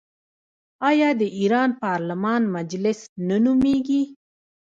آیا د ایران پارلمان مجلس نه نومیږي؟